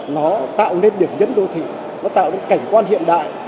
nó tạo nên điểm nhấn đô thị nó tạo nên cảnh quan hiện đại